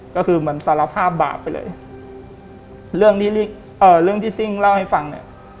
ก็คือเหมือนสารภาพบาปไปเลยเรื่องที่ซิ่งเล่าให้ฟังเนี้ย